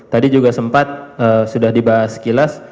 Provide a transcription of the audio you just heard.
tadi juga sempat sudah dibahas sekilas